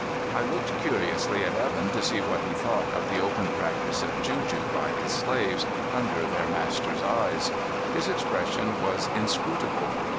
I looked curiously at Evan to see what he thought of the open practice of juju by his slaves under their master's eyes. His expression was inscrutable.